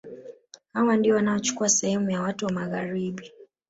Hawa ndio wanachukua sehemu ya watu wa Magharibi